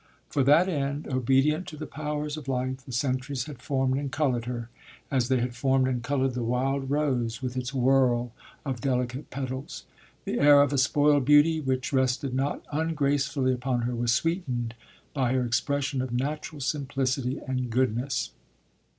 For that end, obedient to the powers of Life, the centuries had formed and coloured her, as they had formed and coloured the wild rose with its whorl of delicate petals. The air of a spoiled beauty which rested not ungracefully upon her was sweetened by her expression of natural simplicity and goodness.